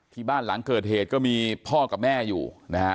บ้านหลังเกิดเหตุก็มีพ่อกับแม่อยู่นะฮะ